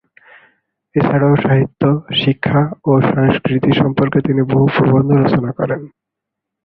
এছাড়াও সাহিত্য, শিক্ষা ও সংস্কৃতি সম্পর্কে তিনি বহু প্রবন্ধ রচনা করেন।